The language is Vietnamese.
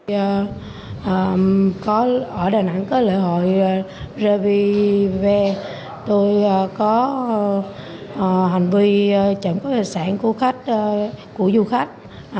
tại tp đà nẵng có lễ hội revieve tôi có hành vi chẩm các hệ sản của du khách